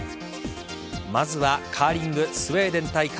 まずはカーリングスウェーデン対